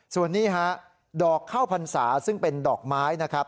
ส่วนนี้ฮะดอกข้าวพรรษาซึ่งเป็นดอกไม้นะครับ